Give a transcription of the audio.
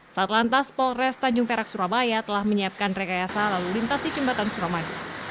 satu lantas polres tanjung perak surabaya telah menyiapkan rekayasa lalu lintasi jembatan suramadu